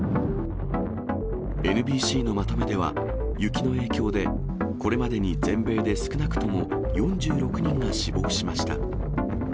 ＮＢＣのまとめでは、雪の影響で、これまでに全米で少なくとも４６人が死亡しました。